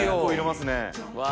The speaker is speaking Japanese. うわ。